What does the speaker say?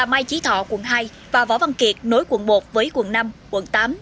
mai chí thọ quận hai và võ văn kiệt nối quận một với quận năm quận tám